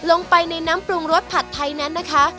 ลงไปในน้ำปรุงรสผัดไทยนั้นนะคะ